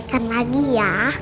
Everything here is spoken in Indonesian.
kasian lo mama sendsirian